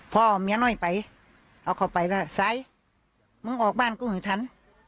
พ่อเมียน้อยไปเอาเข้าไปแล้วสายมึงออกบ้านกูไม่ทัน